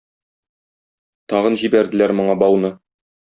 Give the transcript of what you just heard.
Тагын җибәрделәр моңа бауны.